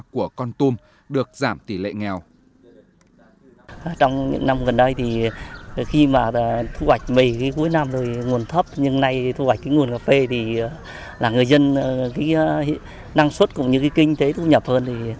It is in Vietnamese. và con tum được giảm tỷ lệ nghèo